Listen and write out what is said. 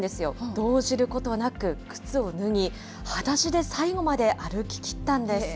動じることなく靴を脱ぎ、はだしで最後まで歩ききったんです。